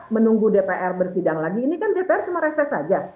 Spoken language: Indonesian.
menunggu dpr bersidang lagi ini kan dpr cuma reses saja